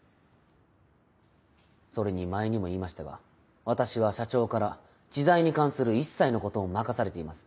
それに前にも言いましたが私は社長から知財に関する一切のことを任されています。